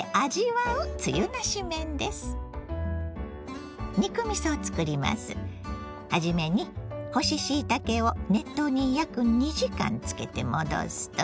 はじめに干ししいたけを熱湯に約２時間つけて戻すと。